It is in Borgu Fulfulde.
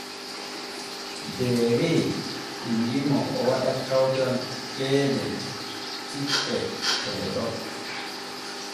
Deere wi’i mo o waɗa kawtal ceede cippe ɗee ɗo.